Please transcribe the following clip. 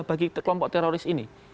bagi kelompok teroris ini